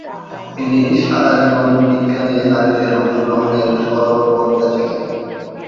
তিনি সারা জীবন বিজ্ঞানে নারীদের অংশগ্রহণের সরব প্রবক্তা ছিলেন।